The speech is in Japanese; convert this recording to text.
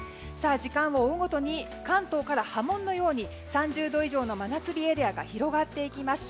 時間を追うごとに関東から波紋のように３０度以上の真夏日エリアが広がっていきます。